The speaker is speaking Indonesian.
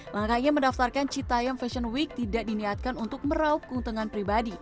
langkahnya mendaftarkan citayam fashion week tidak diniatkan untuk meraup keuntungan pribadi